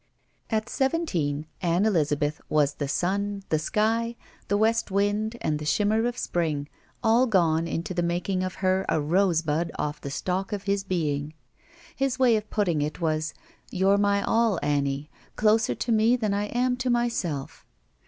At seventeen, Ann Elizabeth was the sun, the sky, the west wind, and the shimmer of spring — all gone into the making of her a rosebud off the stock of his being. His way of putting it was, "You're my all, Annie, closer to me than I am to myself."